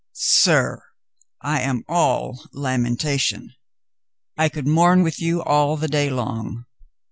Sir, I am all lamentation. I could mourn with you all the day long.